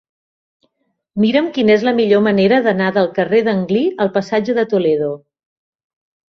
Mira'm quina és la millor manera d'anar del carrer d'Anglí al passatge de Toledo.